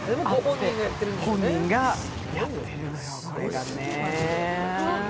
本人がやってるのよ、これがね。